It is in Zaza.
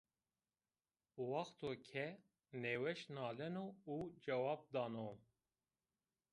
Wexto ke nêweş naleno û cewab dano